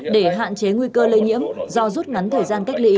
để hạn chế nguy cơ lây nhiễm do rút ngắn thời gian cách ly y tế